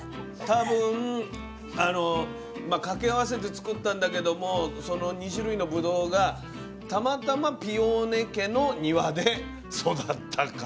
多分掛け合わせて作ったんだけどもその２種類のぶどうがたまたまピオーネ家の庭で育ったから。